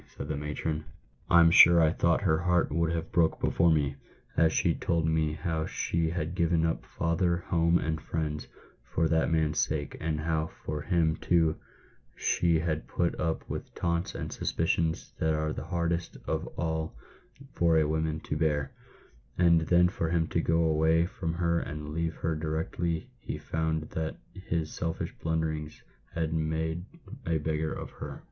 said the matron. " I'm sure I thought her heart would have broke before me, as she told me how she had given up father, home, and friends, for that man's sake, and how for him, too, she had put up with taunts and suspicions that are the hardest of all for a woman to bear ; and then for him to go away from her and leave her directly he found that his selfish blunderings had made a beggar of her